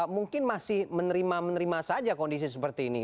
mungkin masih menerima menerima saja kondisi seperti ini